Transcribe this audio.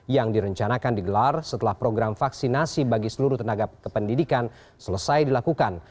yang direncanakan digelar setelah program vaksinasi bagi seluruh tenaga kependidikan selesai dilakukan